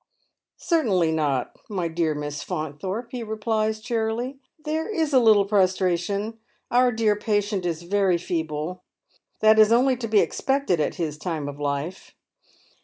" Ceitainly not, my dear Miss Faunthorpe," he replies, cheerily, there is a little prostration ; our dear patient is very feeble ; 2858 Head MerCs Shoes. that is only to be expected at his time of life.